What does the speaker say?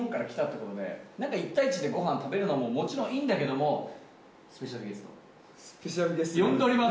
ことで、なんか１対１でごはん食べるのももちろんいいんだけども、スペシャルゲスト、呼んでおります。